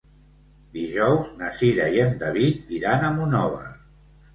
Dijous na Cira i en David iran a Monòver.